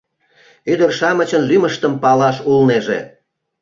Ӱдыр-шамычын лӱмыштым палаш улнеже.